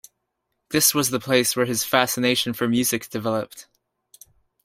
This was the place where his fascination for music developed.